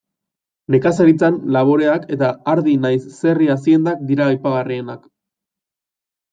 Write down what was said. Nekazaritzan laboreak eta ardi nahiz zerri aziendak dira aipagarrienak.